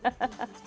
iya udah cukup lama